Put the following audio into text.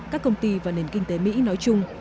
các công ty và nền kinh tế mỹ nói chung